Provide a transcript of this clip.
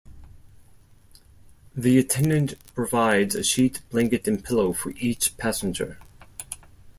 The attendant provides a sheet, blanket, and pillow for each passenger.